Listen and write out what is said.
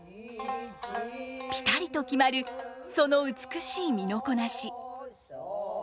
ピタリと決まるその美しい身のこなし。